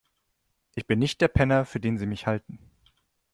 Ich bin nicht der Penner, für den Sie mich halten.